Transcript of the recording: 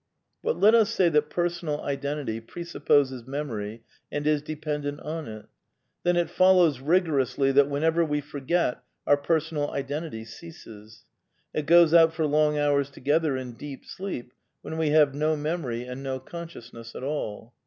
But let us say that personal identity presupposes memory and is dependent on it. Then it follows rigorously that henever we forget our personal identity ceases. It goes out for long hours together in deep sleep when we have no memory and no consciousness at all.